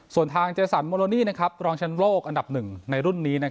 ส่วนทางเจสันโมโลนี่รองชั้นโลกอันดับหนึ่งในรุ่นนี้